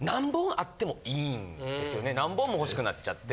何本も欲しくなっちゃって。